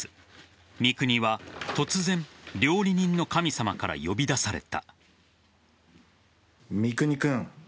三國は突然料理人の神様から呼び出された。